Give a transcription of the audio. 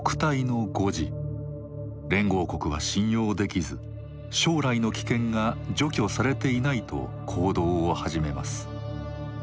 連合国は信用できず「将来の危険」が除去されていないと行動を始めます。